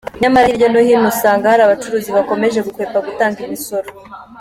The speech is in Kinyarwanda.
Nyamara hirya no hino usanga hari abacuruzi bakomeje gukwepa gutanga iyo misoro.